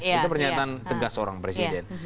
itu pernyataan tegas seorang presiden